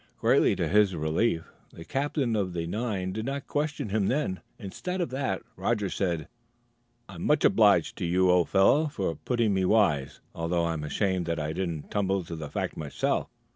Greatly to his relief, the captain of the nine did not question him then; instead of that, Roger said: "I'm much obliged to you, old fellow, for putting me wise, although I'm ashamed that I didn't tumble to the fact myself.